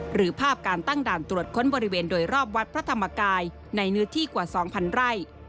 หรือภาพการตั้งด่านตรวจค้นบริเวณโดยรอบวัดพระธรรมกายในเนื้อที่กว่า๒๐๐ไร่